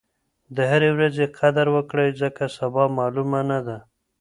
د هرې ورځې قدر وکړئ ځکه سبا معلومه نه ده.